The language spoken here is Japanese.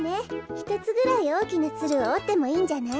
ひとつぐらいおおきなツルをおってもいいんじゃない？